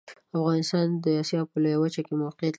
افغانستان د اسیا په لویه وچه کې موقعیت لري.